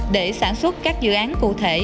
để sản xuất các dự án cụ thể